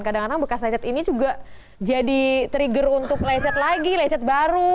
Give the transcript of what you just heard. kadang kadang bekas lecet ini juga jadi trigger untuk lecet lagi lecet baru